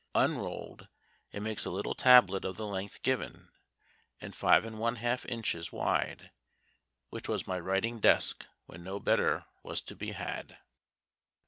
Unrolled, it makes a little tablet of the length given and five and one half inches wide, which was my writing desk when no better was to be had.